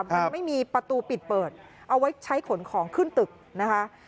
มันไม่มีประตูปิดเปิดเอาไว้ใช้ขนของขึ้นตึกนะคะ